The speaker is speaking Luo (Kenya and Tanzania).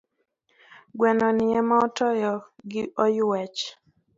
Gweno ni ema otoyo gi oyuech.